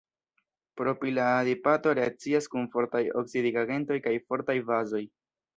Propila adipato reakcias kun fortaj oksidigagentoj kaj fortaj bazoj.